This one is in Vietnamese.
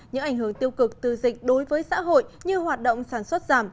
những ảnh hưởng tiêu cực từ dịch đối với xã hội như hoạt động sản xuất giảm